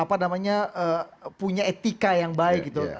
apa namanya punya etika yang baik gitu